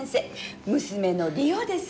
娘の理央です。